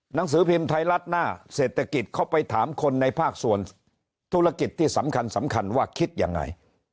หนังสือพิมพ์ไทยรัฐหน้าเศรษฐกิจเขาไปถามคนในภาคส่วนธุรกิจที่สำคัญสำคัญว่าคิดยังไง